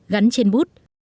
gắn trên bút